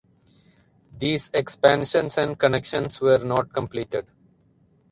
These expansions and connections were not completed.